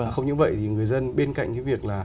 không những vậy thì người dân bên cạnh cái việc là